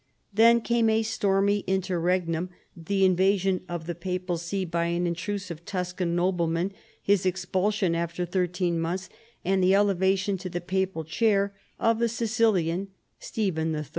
Then came a stormy interregnum, the invasion of the papal see by an intrusive Tuscan noble man, his expulsion after thirteen months, and the elevation to the papal chair of the Sicilian, Stephen III.